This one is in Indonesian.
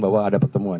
bahwa ada pertemuan